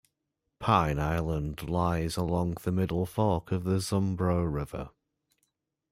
Pine Island lies along the Middle Fork of the Zumbro River.